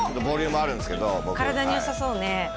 ボリュームあるんですけど体によさそうね